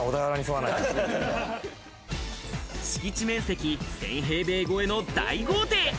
敷地面積１０００平米超えの大豪邸。